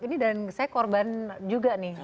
ini dan saya korban juga nih